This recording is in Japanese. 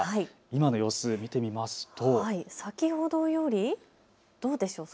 今の様子見てみますと先ほどより、どうでしょう。